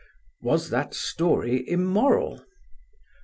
"Was that story immoral?"